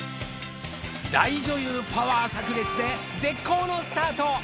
大女優パワー炸裂で絶好のスタート。